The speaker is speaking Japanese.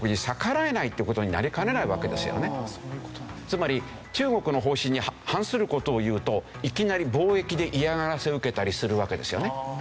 つまり中国の方針に反する事を言うといきなり貿易で嫌がらせを受けたりするわけですよね。